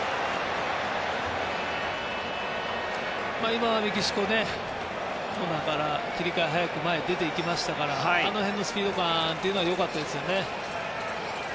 今、メキシココーナーから切り替え早く前に出ていきましたからあの辺のスピード感は良かったですよね。